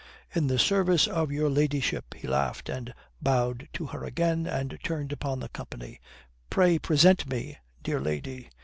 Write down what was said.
"In the service of your ladyship," he laughed, and bowed to her again, and turned upon the company. "Pray present me, dear lady."